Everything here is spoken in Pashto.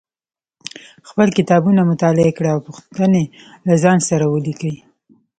خپل کتابونه مطالعه کړئ او پوښتنې له ځان سره ولیکئ